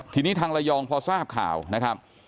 ทีนี้ทางระยองพอทราบข่าวนะครับ